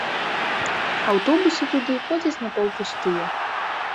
Аўтобусы туды ходзяць напаўпустыя.